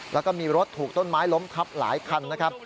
แล้วก็มีรถถูกต้นไม้ล้มทับหลายคันนะครับ